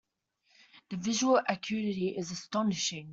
The visual acuity is astonishing.